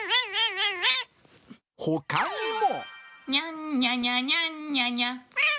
ほかにも。